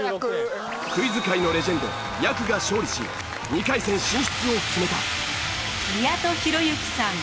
クイズ界のレジェンドやくが勝利し２回戦進出を決めた。